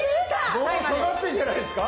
もう育ってんじゃないですか？